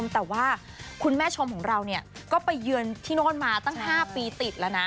แต่ว่าคุณแม่ชมของเราก็ไปเยือนที่โน่นมาตั้ง๕ปีติดแล้วนะ